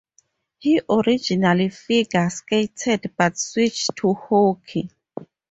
He originally figure skated but switched to hockey.